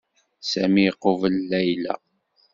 Sami iqubel Layla.